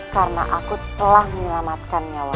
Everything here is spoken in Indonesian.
karena aku telah menyelamatkan nyawa